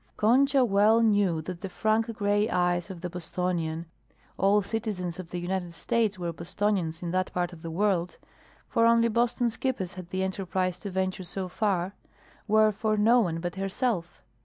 Concha well knew that the frank gray eyes of the Bostonian all citizens of the United States were Bostonians in that part of the world, for only Boston skippers had the enterprise to venture so far were for no one but herself.